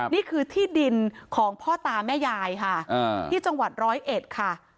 นี่คือที่ดินของพ่อตาแม่ยายค่ะที่จังหวัดร้อยเอ็ดค่ะ